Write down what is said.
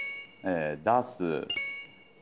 出す。